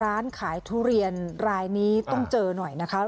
ร้านขายทุเรียนรายนี้ต้องเจอหน่อยนะคะ